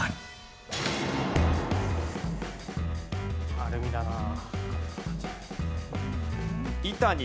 アルミだなあ。